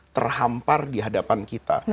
terhampar di hadapan kita